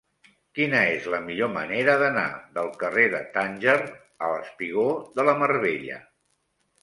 Quina és la millor manera d'anar del carrer de Tànger al espigó de la Mar Bella?